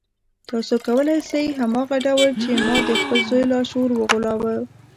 تاسې کولای شئ هماغه ډول چې ما د خپل زوی لاشعور وغولاوه.